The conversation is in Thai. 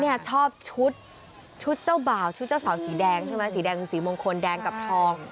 ชอบชุดชุดเจ้าบ่าวชุดเจ้าสาวสีแดงใช่ไหมสีแดงสีมงคลแดงกับทอง